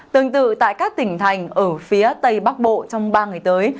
tương tự tại các tỉnh thành ở phía tây bắc bộ trong ba ngày tới